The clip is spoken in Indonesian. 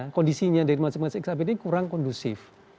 kondisinya dari masing masing skpd kurang kondusif